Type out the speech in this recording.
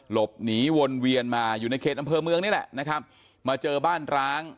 หลบหนีวนเวียนมาอยู่ในเขตอำเภอเมืองนี่แหละนะครับมาเจอบ้านร้าง